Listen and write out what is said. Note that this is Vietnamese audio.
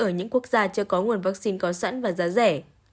ở những quốc gia chưa có nguồn vaccine có sẵn và giá rẻ